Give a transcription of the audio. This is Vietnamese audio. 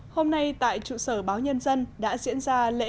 hôm nay tại trụ sở báo nhân dân đã diễn ra lễ